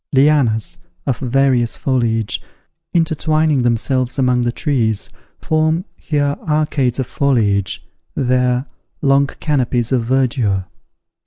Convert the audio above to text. Lianas, of various foliage, intertwining themselves among the trees, form, here, arcades of foliage, there, long canopies of verdure.